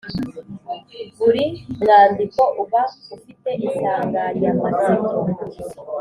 Buri mwandiko uba ufite insanganyamatsiko